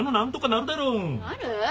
なる！